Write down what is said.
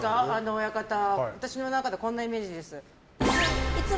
親方、私の中でこんなイメージです。